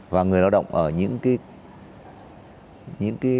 và người lao động ở những cái